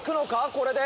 これで。